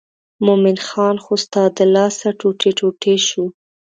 مومن خان خو ستا د لاسه ټوټه ټوټه شو.